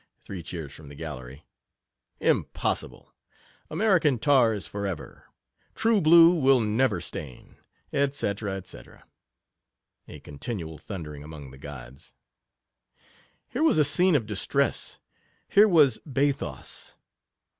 (three cheers from the gallery,) impossible! Ameri can tars for ever!! True blue will never stain, &c. &c. (a continual thundering among the gods). Here was a scene of distress — here was bathos.